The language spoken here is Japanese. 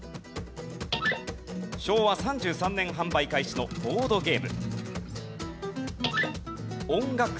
昭和３３年販売開始のボードゲーム。